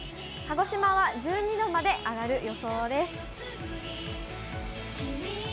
鹿児島は１２度まで上がる予想です。